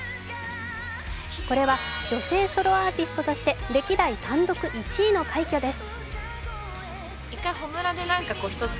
これは女性ソロアーティストとして歴代単独１位の快挙です。